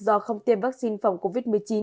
do không tiêm vaccine phòng covid một mươi chín